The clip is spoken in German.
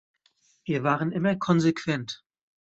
Wir waren immer konsequent.